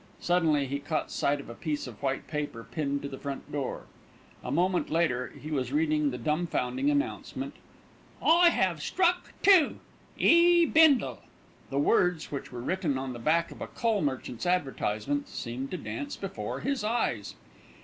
Suddenly he caught sight of a piece of white paper pinned to the front door. A moment later he was reading the dumbfounding announcement: "I have struck too. "E. BINDLE." The words, which were written on the back of a coal merchant's advertisement, seemed to dance before his eyes.